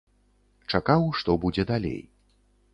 Чакаў, што будзе далей.